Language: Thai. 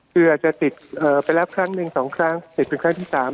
คืออาจจะติดไปแล้วครั้งหนึ่ง๒ครั้งติดเป็นครั้งที่๓